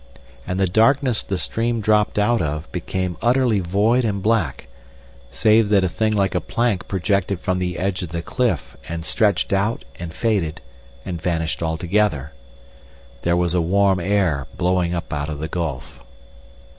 And the darkness the stream dropped out of became utterly void and black, save that a thing like a plank projected from the edge of the cliff and stretched out and faded and vanished altogether. There was a warm air blowing up out of the gulf.